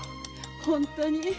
本当に。